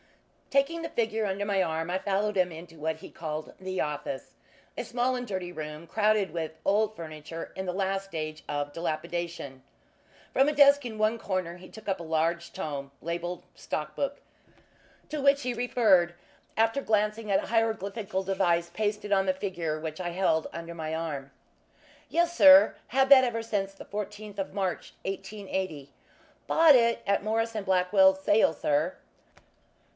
Taking the figure under my arm, I followed him into what he called "the office" a small and dirty room, crowded with old furniture in the last stage of dilapidation. From a desk in one corner he took a large tome labelled "Stock Book," to which he referred, after glancing at a hieroglyphical device pasted on the figure which I held under my arm. "Yes, sir had that ever since the 14th of March, 1880 bought it at Morris & Blackwell's sale, sir."